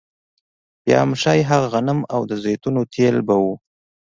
یا هم ښايي هغه غنم او د زیتونو تېل به وو